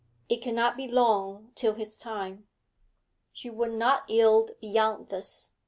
'It cannot be long till his time.' She would not yield beyond this.